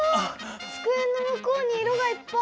つくえの向こうに色がいっぱい！